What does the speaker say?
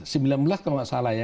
sembilan belas kalau nggak salah ya